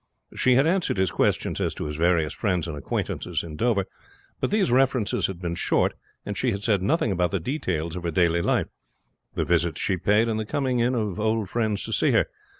She had answered his questions as to his various friends and acquaintances in Dover; but these references had been short, and she had said nothing about the details of her daily life, the visits she paid, and the coming in of old friends to see her.